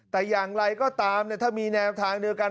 แต่อย่างไรก็ตามถ้ามีแนวทางเดียวกัน